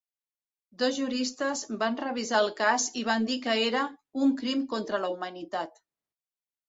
Dos juristes van revisar el cas i van dir que era "un crim contra la humanitat".